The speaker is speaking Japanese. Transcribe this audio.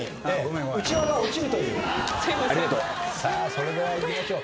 それではいきましょう。